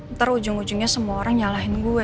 ntar ujung ujungnya semua orang nyalahin gue